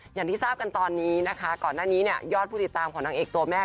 อย่างที่ทราบกันตอนนี้นะคะก่อนหน้านี้เนี่ยยอดผู้ติดตามของนางเอกตัวแม่